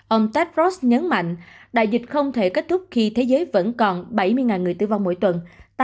ông tedfrost nhấn mạnh đại dịch không thể kết thúc khi thế giới vẫn còn bảy mươi người tử vong mỗi tuần